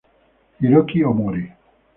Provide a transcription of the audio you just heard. Hiroki Omori